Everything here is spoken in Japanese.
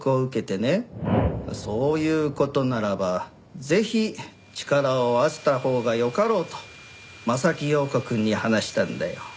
そういう事ならばぜひ力を合わせたほうがよかろうと柾庸子くんに話したんだよ。